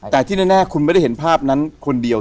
แต่ที่แน่คุณไม่ได้เห็นภาพนั้นคนเดียว